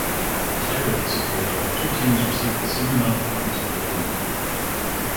Tiebreakers occurred if two teams received the same amount of points for the tournament.